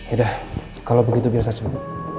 udah kalau begitu biar saya coba